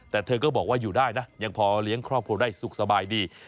แต่เธอก็บอกว่าอยู่ได้นะยังพอเลี้ยงครอบครัวได้สุขสบายดี